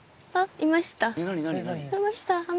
いました。